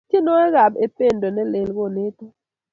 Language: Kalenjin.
tienwokik ap ependo nelel koneto